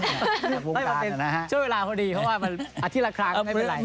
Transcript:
ไม่เป็นไรช่วงเวลาพอดีเพราะว่าอาทิตย์ละครั้งก็ไม่เป็นไร